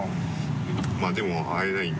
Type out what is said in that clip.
まぁでも会えないんで。